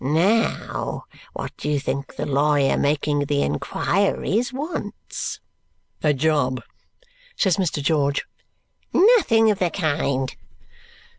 Now, what do you think the lawyer making the inquiries wants?" "A job," says Mr. George. "Nothing of the kind!"